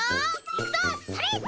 いくぞそれ！